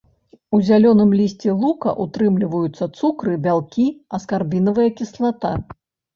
У зялёным лісці лука ўтрымліваюцца цукры, бялкі, аскарбінавая кіслата.